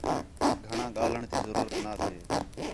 گھݨاں ڳاھلݨ تی ضرورت نا تھے